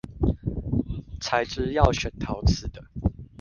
材質要選陶瓷的